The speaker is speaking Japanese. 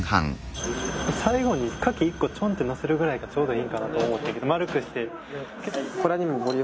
最後に牡蠣１個ちょんってのせるぐらいがちょうどいいんかなと思ったけど丸くして。